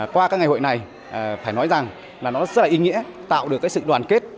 qua các ngày hội này phải nói rằng là nó rất là ý nghĩa tạo được cái sự đoàn kết